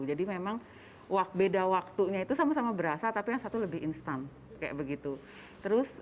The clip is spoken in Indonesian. jadi memang wak beda waktunya itu sama sama berasa tapi yang satu lebih instan kayak begitu terus